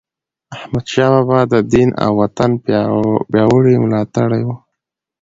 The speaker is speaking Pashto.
احمدشاه بابا د دین او وطن پیاوړی ملاتړی و.